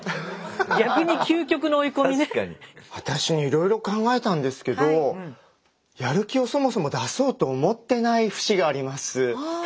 私ねいろいろ考えたんですけどやる気をそもそも出そうと思ってない節があります。